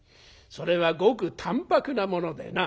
それはごく淡泊なものでな」。